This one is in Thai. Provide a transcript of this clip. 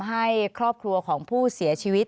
อันดับสุดท้ายแก่มือ